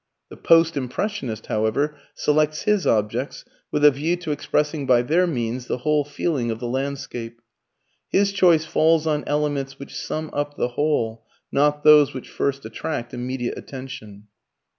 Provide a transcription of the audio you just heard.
The Post Impressionist, however, selects his objects with a view to expressing by their means the whole feeling of the landscape. His choice falls on elements which sum up the whole, not those which first attract immediate attention.